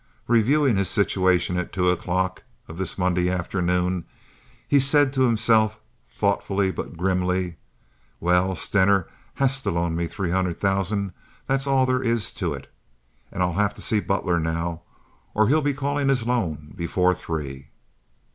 Reviewing his situation at two o'clock of this Monday afternoon, he said to himself thoughtfully but grimly: "Well, Stener has to loan me three hundred thousand—that's all there is to it. And I'll have to see Butler now, or he'll be calling his loan before three."